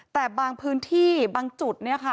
แต่บางพื้นที่บางจุดเนี่ยค่ะ